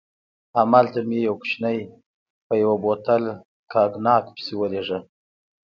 هملته مې یو کوچنی په یو بوتل کاګناک پسې ولېږه.